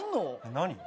何？